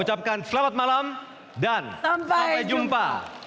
sekarang harus memberi rekening kita